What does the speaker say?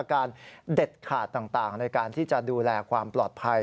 เด็ดขาดต่างในการที่จะดูแลความปลอดภัย